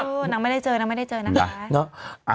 อื้อน้องไม่ได้เจอน้องไม่ได้เจอนะ